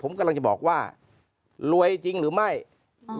ผมกำลังจะบอกว่ารวยจริงหรือไม่อืม